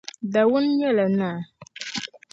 Dawuni nyɛla naa.